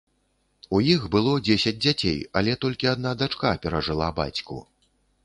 У іх было дзесяць дзяцей, але толькі адна дачка перажыла бацьку.